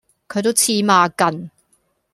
佢都黐孖根